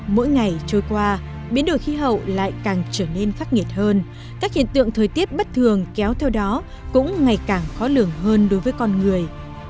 mỗi ngày trôi qua biến đổi khí hậu lại càng trở nên khắc nghiệt hơn các hiện tượng thời tiết bất thường kéo theo đó cũng ngày càng khó lường hơn đối với con người